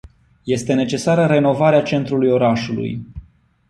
Este necesară renovarea centrului orașului.